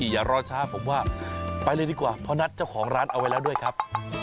อย่ารอช้าผมว่าไปเลยดีกว่าเพราะนัดเจ้าของร้านเอาไว้แล้วด้วยครับ